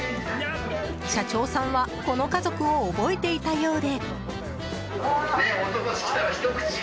社長さんはこの家族を覚えていたようで。